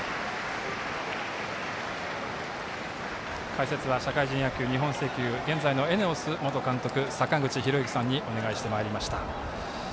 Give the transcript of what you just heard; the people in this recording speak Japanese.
解説は社会人野球日本石油現在のＥＮＥＯＳ元監督の坂口裕之さんにお願いしてまいりました。